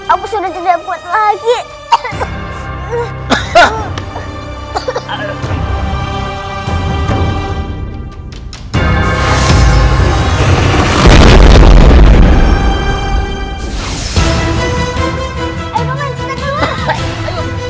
aku sudah jeda buat lagi